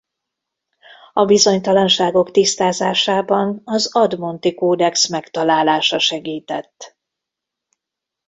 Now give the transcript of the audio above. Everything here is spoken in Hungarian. A bizonytalanságok tisztázásában az Admonti-kódex megtalálása segített.